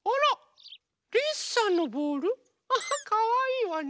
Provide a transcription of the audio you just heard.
アハかわいいわね。